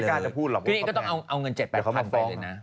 ทีนี้ก็ต้องเอาเงิน๗๘พันไปเลยนะ